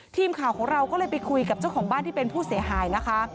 ทีมข่าวของเราก็เลยไปคุยกับเจ้าของบ้านที่เป็นผู้เสียหายนะคะ